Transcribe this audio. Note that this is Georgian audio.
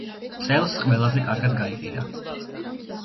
წელს ყველაზე კარგად გაიყიდა.